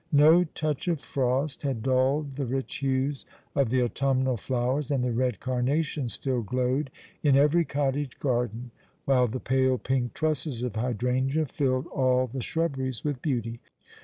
No touch of frost had dulled the rich hues of the autumnal flowers, and the red carnations still glowed in every cottage garden, while the pale pink trusses of hydrangea filled all the shrubberies with beauty.